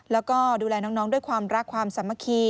แล้วก็ดูแลน้องด้วยความรักความสามัคคี